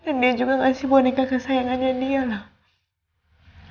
dan dia juga ngasih boneka kesayangannya dia lah